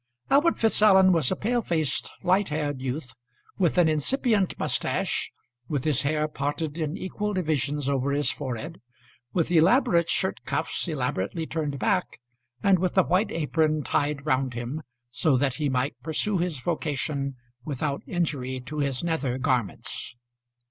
Albert Fitzallen was a pale faced, light haired youth, with an incipient moustache, with his hair parted in equal divisions over his forehead, with elaborate shirt cuffs elaborately turned back, and with a white apron tied round him so that he might pursue his vocation without injury to his nether garments.